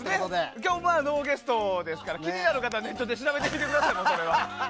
今日はノーゲストですから気になる方はネットで調べてみてください。